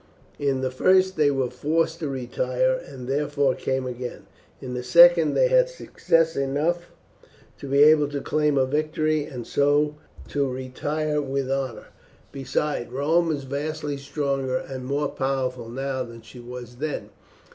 In the first they were forced to retire, and therefore came again; in the second they had success enough to be able to claim a victory and so to retire with honour. Besides, Rome is vastly stronger and more powerful now than she was then.